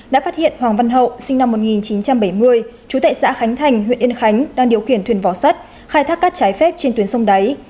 đã phát hiện hoàng văn hậu sinh năm một nghìn chín trăm bảy mươi chú tệ xã khánh thành huyện yên khánh đang điều khiển thuyền vỏ sắt khai thác cát trái phép trên tuyến sông đáy